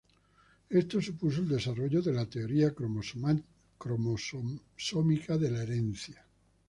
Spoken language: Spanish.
Esto supuso el desarrollo de la teoría cromosómica de la herencia.